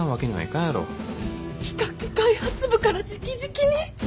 企画開発部から直々に？